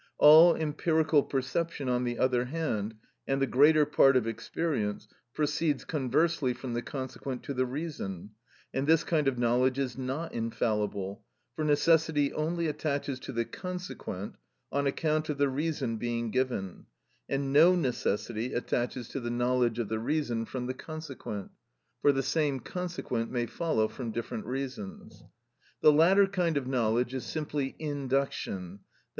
All empirical perception, on the other hand, and the greater part of experience, proceeds conversely from the consequent to the reason, and this kind of knowledge is not infallible, for necessity only attaches to the consequent on account of the reason being given, and no necessity attaches to the knowledge of the reason from the consequent, for the same consequent may follow from different reasons. The latter kind of knowledge is simply induction, _i.